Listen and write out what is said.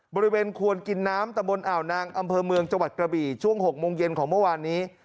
บริเวณควนกินน้ำตะบนอ่าวนางอำเภอเมืองจังหวัดกระบี่ช่วง๖โมงเย็นของเมื่อวานนี้